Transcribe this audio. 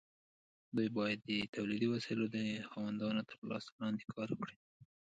دوی باید د تولیدي وسایلو د خاوندانو تر لاس لاندې کار وکړي.